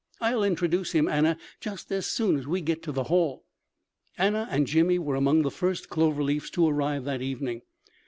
I'll introduce him, Anna, just as soon as we get to the hall." Anna and Jimmy were among the first Clover Leafs to arrive that evening.